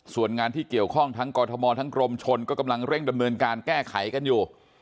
ส่วนงานที่เกี่ยวข้องทั้งกรทมทั้งกรมชนก็กำลังเร่งดำเนินการแก้ไขกันอยู่